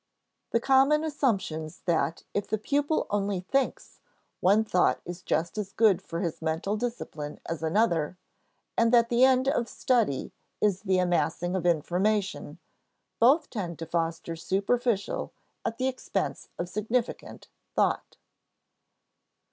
The common assumptions that, if the pupil only thinks, one thought is just as good for his mental discipline as another, and that the end of study is the amassing of information, both tend to foster superficial, at the expense of significant, thought.